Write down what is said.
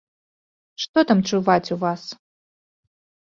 Што там чуваць у вас?